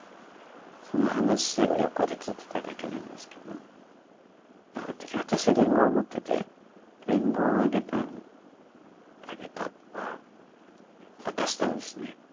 その話を横で聞いてただけなんですけどあの時私りんごを持っててりんごをあげたあげたまあ渡したんですね。